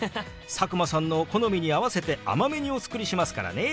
佐久間さんの好みに合わせて甘めにお作りしますからね。